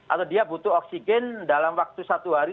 atau dia butuh oksigen dalam waktu satu hari